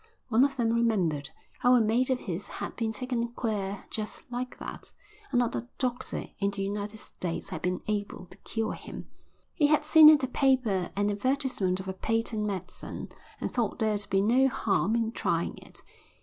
One of them remembered how a mate of his had been taken queer just like that and not a doctor in the United States had been able to cure him. He had seen in the paper an advertisement of a patent medicine, and thought there'd be no harm in trying it.